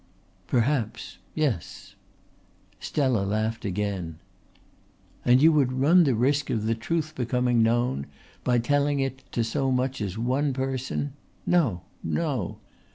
"Perhaps. Yes." Stella laughed again. "And you would run the risk of the truth becoming known by telling it to so much as one person. No, no!